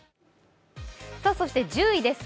そして１０位です。